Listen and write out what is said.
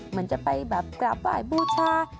เหมือนจะไปแบบกราบไหว้บูชา